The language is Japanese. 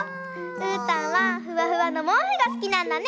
うーたんはフワフワのもうふがすきなんだね。